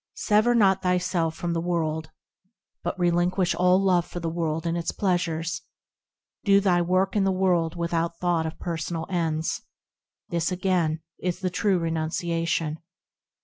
Sever not thyself from the world, But relingnish all love for the world and its pleasures ; Do thy work in the world without thought of personal ends– This, again, is the true renunciation.